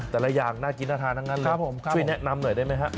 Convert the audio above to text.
แต่ละอย่างน่ากินน่าทานทั้งนั้นเลยช่วยแนะนำหน่อยได้ไหมฮะ